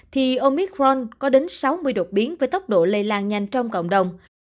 thì omicron có đến sáu mươi đột biến với tốc độ lây lan nhanh trong cộng đồng